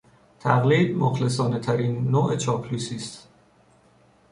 تقلید مخلصانهترین نوع چاپلوسی است.